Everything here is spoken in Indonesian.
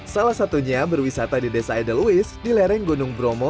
salah satunya berwisata di desa edelweiss di lereng gunung bromo